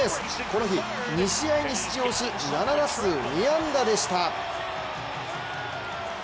この日、２試合に出場し７打数２安打でした。